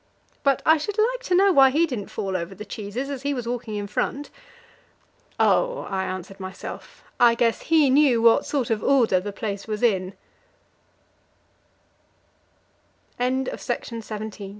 But I should like to know why he didn't fall over the cheeses, as he was walking in front. Oh, I answered myself, I guess he knew what sort of order the place was in. At the eastern end of the house the